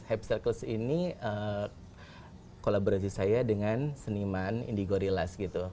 hype cycles ini kolaborasi saya dengan seniman indie gorillas gitu